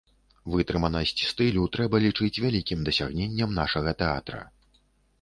Вытрыманасць стылю трэба лічыць вялікім дасягненнем нашага тэатра.